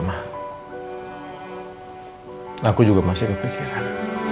aku juga masih kepikiran